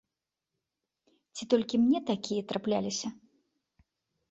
Ці толькі мне такія трапляліся?